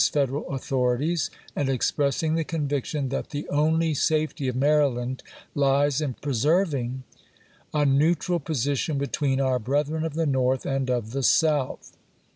Federal authorities, and expressing the conviction " that the only safety of Maryland lies in preserv ing a neutral position between our brethren of the ^^^^^^ North and of the South."